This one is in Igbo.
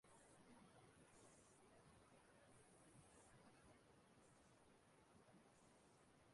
tinyekwara emume ịkụ ngazị n'eze